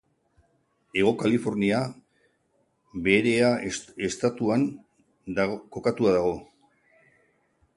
Hego Kalifornia Beherea estatuan kokatua dago.